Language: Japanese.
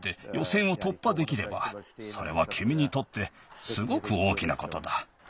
せんをとっぱできればそれはきみにとってすごく大きなことだ。